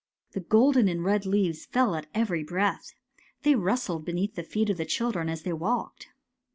The golden and red leaves fell at every breath. They rustled beneath the feet of the children as they walked.